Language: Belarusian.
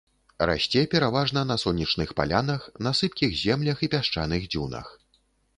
Расце пераважна на сонечных палянах на сыпкіх землях і пясчаных дзюнах.